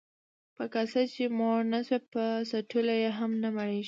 ـ په کاسه چې موړ نشوې، په څټلو يې هم نه مړېږې.